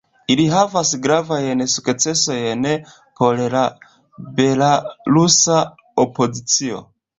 Ili havas gravajn sukcesojn por la belarusa opozicio.